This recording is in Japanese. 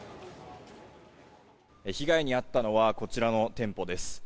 被害に遭ったのはこちらの店舗です。